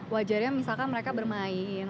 wajarnya misalkan mereka bermain